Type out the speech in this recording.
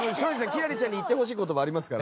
輝星ちゃんに言ってほしい言葉ありますか？